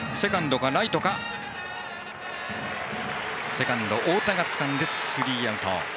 セカンドの太田がつかんでスリーアウト。